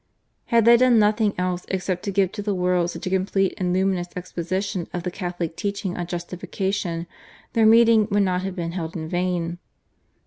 Had they done nothing else except to give to the world such a complete and luminous exposition of the Catholic teaching on Justification their meeting would not have been held in vain.